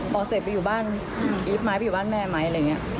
พอเสร็จไปอยู่บ้านอีฟไหมไปอยู่บ้านแม่ไหมอะไรอย่างนี้